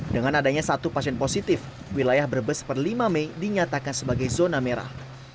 dengan adanya satu pasien positif wilayah brebes per lima mei dinyatakan sebagai zona merah